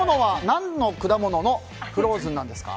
何の果物のフローズンなんですか？